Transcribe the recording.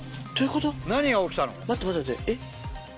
何が起きたの？